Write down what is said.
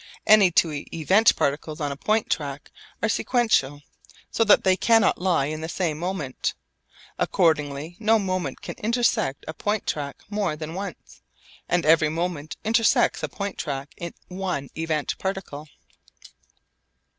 Any two event particles on a point track are sequential, so that they cannot lie in the same moment. Accordingly no moment can intersect a point track more than once, and every moment intersects a point track in one event particle.